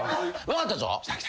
分かったぞ。